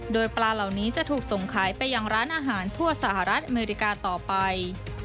โดยปลาเหล่านี้จะถูกส่งขายไปยังร้านอาหารทั่วสหรัฐอเมริกาต่อไป